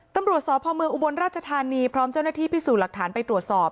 ตำรวจสพเมืองอุบลราชธานีพร้อมเจ้าหน้าที่พิสูจน์หลักฐานไปตรวจสอบ